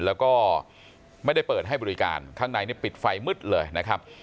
แล้วก็ไม่ได้เปิดให้บริการข้างในปิดไฟมืดเลยนะครับ